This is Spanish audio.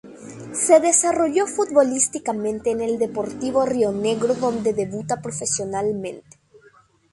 Se desarrolló futbolísticamente en el Deportivo Rionegro donde debuta profesionalmente.